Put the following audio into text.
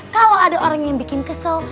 kalo ada orang yang bikin kita haus